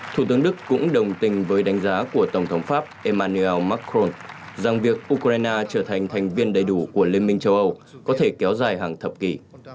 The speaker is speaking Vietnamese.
thủ tướng đức cũng đồng tình với đánh giá của tổng thống pháp emmanuel macron rằng việc ukraine trở thành thành viên đầy đủ của liên minh châu âu có thể kéo dài hàng thập kỷ